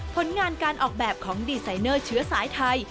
ผลงานการออกแบบของดีไซเนอร์เชื้อสายไทย